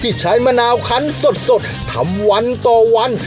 ใช้มะนาวคันสดทำวันต่อวัน